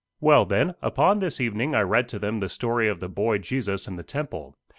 Well, then, upon this evening I read to them the story of the boy Jesus in the temple.